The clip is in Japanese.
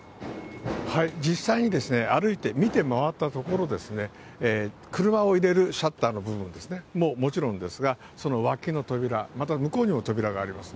実際に歩いて見て回ったところ、車を入れるシャッターの部分ももちろんですが、その脇の扉、また向こうにも扉があります。